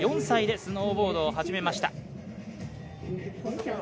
４歳でスノーボードを始めました。